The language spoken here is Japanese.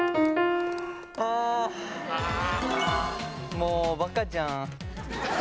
もうバカじゃん。